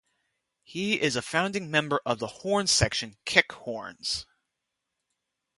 He is a founding member of the horn section Kick Horns.